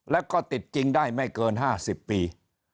แล้วก็ติดจริงได้ไม่เกิน๕๐ปี